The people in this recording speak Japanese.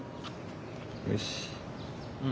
よし。